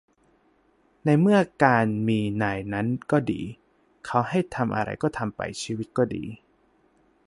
ในเมื่อการมีนายนั้นก็ดี เขาให้ทำอะไรก็ทำไป ชีวิตก็ดี